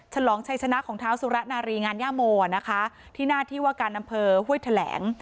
ฉลองชัยชนะของเท้าสุระนารีงานย่าโมนะคะที่หน้าที่ว่าการอำเภอห้วยแถลง